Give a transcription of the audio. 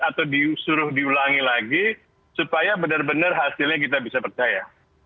atau disuruh diulangi lagi supaya benar benar hasilnya kita bisa percaya